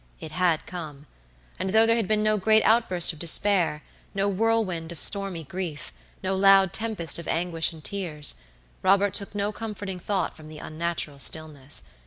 It had come; and though there had been no great outburst of despair, no whirlwind of stormy grief, no loud tempest of anguish and tears, Robert took no comforting thought from the unnatural stillness.